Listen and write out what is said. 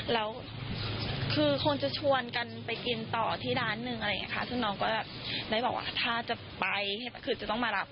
แล้วคือคนจะชวนกันไปกินต่อที่ด้านหนึ่งซึ่งน้องก็ได้บอกว่าถ้าจะไปคือจะต้องมารับ